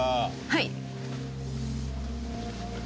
はい。